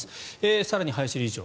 更に、林理事長